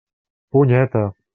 Punyeta!